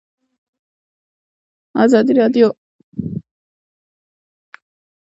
ازادي راډیو د اقتصاد په اړه مثبت اغېزې تشریح کړي.